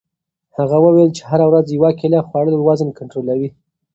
هغه وویل چې هره ورځ یوه کیله خوړل وزن کنټرولوي.